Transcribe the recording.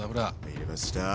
入れました。